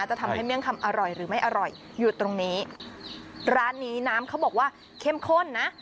จะทำให้เมี่ยงคำอร่อยหรือไม่อร่อยอยู่ตรงนี้ร้านนี้น้ำเขาบอกว่าเข้มข้นนะ